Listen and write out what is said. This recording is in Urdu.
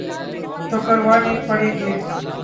تو کروانے پڑیں گے۔